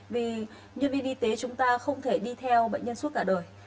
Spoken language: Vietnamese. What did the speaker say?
vì nhân viên y tế chúng ta không thể đi theo bệnh nhân suốt cả đời